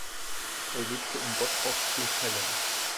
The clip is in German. Er lebt in Bottrop-Kirchhellen.